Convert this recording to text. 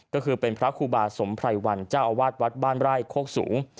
ก็คือเป็นพระครูบาสมไพรวันเจ้าอาวาสวัดบ้านไร่โคกสูง